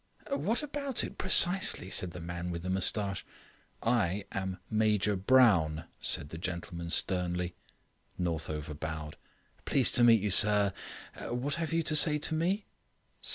"What about it, precisely," said the man with the moustache. "I am Major Brown," said that gentleman sternly. Northover bowed. "Pleased to meet you, sir. What have you to say to me?"